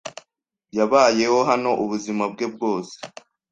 Yabayeho hano ubuzima bwe bwose.